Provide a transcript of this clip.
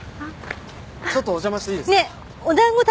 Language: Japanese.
ちょっとお邪魔していいですか？